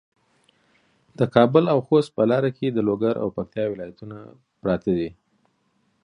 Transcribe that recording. د کابل او خوست په لاره کې د لوګر او پکتیا ولایتونه پراته دي.